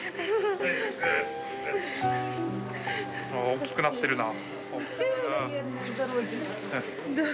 大きくなってるな。